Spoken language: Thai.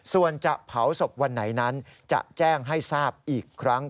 ส่วนจะเผาศพวันไหนนั้นจะแจ้งให้ทราบอีกครั้ง